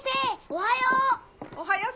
おはよう！